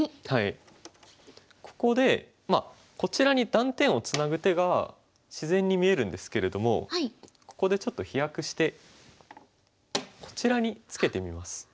ここでこちらに断点をツナぐ手が自然に見えるんですけれどもここでちょっと飛躍してこちらにツケてみます。